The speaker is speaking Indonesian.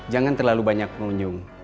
jangan terlalu banyak pengunjung